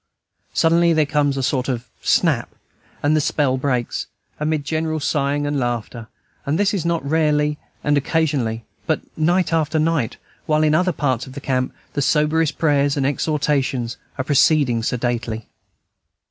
Suddenly there comes a sort of snap, and the spell breaks, amid general sighing and laughter. And this not rarely and occasionally, but night after night, while in other parts of the camp the soberest prayers and exhortations are proceeding sedately.